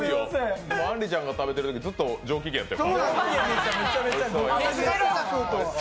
あんりちゃんが食べてるとき、ずっと上機嫌だったよ。